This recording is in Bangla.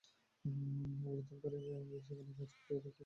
অবরোধকারীরা আগেই সেখানে গাছ কেটে রেখে সড়কে যানবাহন চলাচল বন্ধ করে দেন।